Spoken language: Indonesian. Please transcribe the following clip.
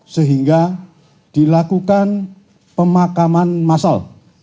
sehingga dilakukan pemakaman massal